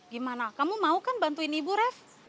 gimana kamu mau kan bantuin ibu ref